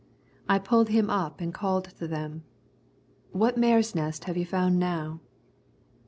I pulled him up and called to them, "What mare's nest have you found now?"